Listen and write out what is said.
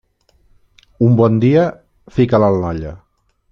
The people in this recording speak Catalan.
Un bon dia, fica'l en l'olla.